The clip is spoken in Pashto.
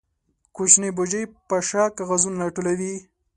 کوچنی بوجۍ په شا کاغذونه ټولوي.